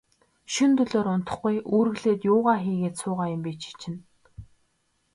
Шөнө дөлөөр унтахгүй, үүрэглээд юугаа хийгээд суугаа юм бэ, чи чинь.